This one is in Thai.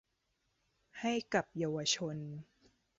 ให้กับเยาวชน